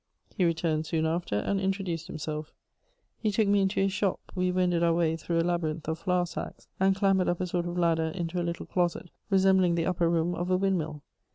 He returned soon after and introduced himself: he took me into his shop; we wended our way through a labyrinth of flour sacks, and clambered up a sort of ladder into a little closet resembling the upper room of a wind mill.